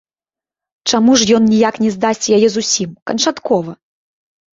Чаму ж ён ніяк не здасць яе зусім, канчаткова?